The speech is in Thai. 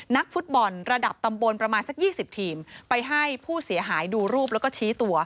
นักฟุตบอลระดับตำบลประมาณสัก๒๐ทีมไปให้ผู้เสียหายดูรูปแล้วก็ชี้ตัว